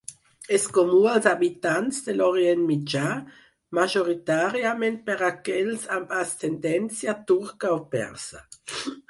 És comú als habitants de l'Orient Mitjà, majoritàriament per aquells amb ascendència turca o persa.